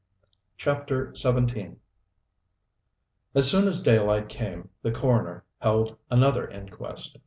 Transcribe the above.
CHAPTER XVII As soon as daylight came the coroner held another inquest.